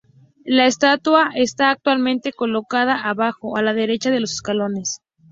La estatua está actualmente colocada abajo, a la derecha de los escalones.